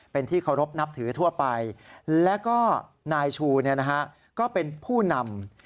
เป็นที่เคารพนับถือทั่วไปแล้วก็นายชูก็เป็นผู้นำ